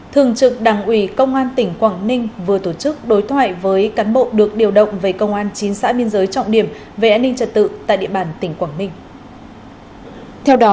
thường trực đảng ủy công an tỉnh quảng ninh vừa tổ chức đối thoại với cán bộ được điều động về công an chín xã biên giới trọng điểm về an ninh trật tự tại địa bàn tỉnh quảng ninh